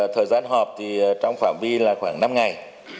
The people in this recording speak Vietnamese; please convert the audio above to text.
thời gian họp thì trong phạm vi là khoảng năm ngày